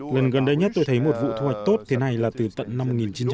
lần gần đây nhất tôi thấy một vụ thu hoạch tốt thế này là từ tận năm một nghìn chín trăm bảy mươi